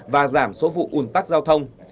và giảm số vụ ủn tắc giao thông